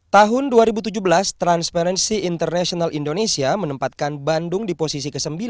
tahun dua ribu tujuh belas transparency international indonesia menempatkan bandung di posisi ke sembilan